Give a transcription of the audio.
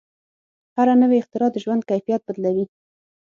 هره نوې اختراع د ژوند کیفیت بدلوي.